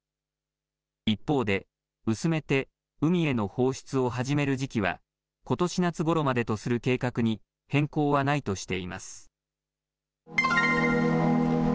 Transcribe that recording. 一方で、薄めて海への放出を始める時期は、ことし夏ごろまでとする計画に変更はないとしています。